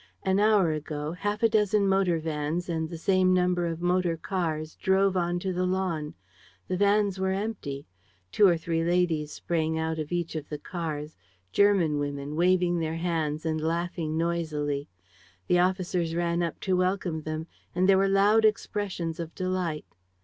An hour ago, half a dozen motor vans and the same number of motor cars drove onto the lawn. The vans were empty. Two or three ladies sprang out of each of the cars, German women, waving their hands and laughing noisily. The officers ran up to welcome them; and there were loud expressions of delight.